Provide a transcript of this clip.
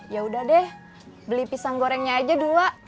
yaudah deh beli pisang gorengnya aja dulu